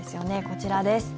こちらです。